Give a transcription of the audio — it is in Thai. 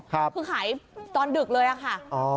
คือขายตอนดึกเลยอะค่ะ